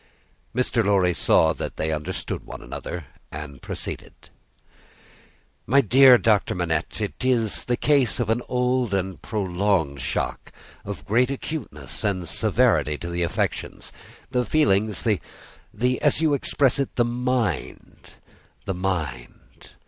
Mr. Lorry saw that they understood one another, and proceeded. "My dear Manette, it is the case of an old and a prolonged shock, of great acuteness and severity to the affections, the feelings, the the as you express it the mind. The mind.